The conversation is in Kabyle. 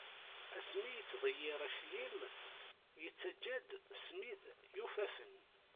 Asmi yettḍeggir aclim yettaǧǧa-d ssmid yufafen.